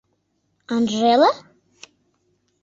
Анджела?